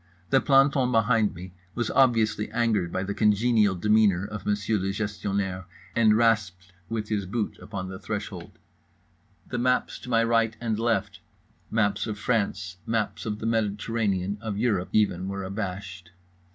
The planton behind me was obviously angered by the congenial demeanour of Monsieur le Gestionnaire, and rasped with his boot upon the threshold. The maps to my right and left, maps of France, maps of the Mediterranean, of Europe, even, were abashed.